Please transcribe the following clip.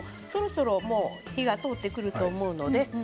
そろそろ火が通ってくると思います。